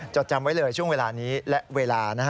จดจำไว้เลยช่วงเวลานี้และเวลา